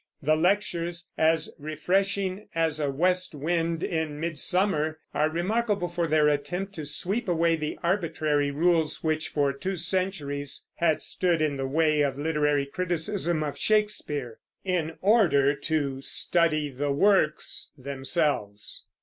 The Lectures, as refreshing as a west wind in midsummer, are remarkable for their attempt to sweep away the arbitrary rules which for two centuries had stood in the way of literary criticism of Shakespeare, in order to study the works themselves.